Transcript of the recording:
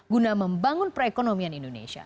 guna membangun perekonomian indonesia